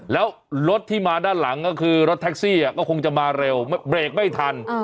แล้วรถที่มาด้านหลังก็คือรถแท็กซี่ก็คงจะมาเร็วเบรกไม่ทัน